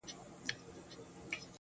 جلوه مخي په گودر دي اموخته کړم